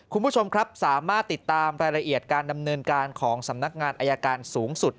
คุณผู้ชมครับสามารถติดตามรายละเอียดการดำเนินการของสำนักงานอายการสูงสุด